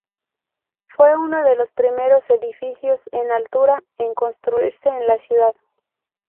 Fue uno de los primeros edificios en altura en construirse en la ciudad.